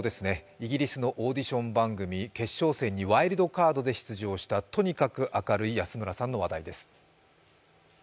イギリスのオーディション番組、決勝戦にワイルドカードで出場したとにかく明るい安村さんの話題です。